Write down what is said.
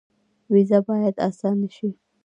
ویزه باید اسانه شي